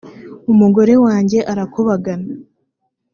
umugore wanjye arakubagana.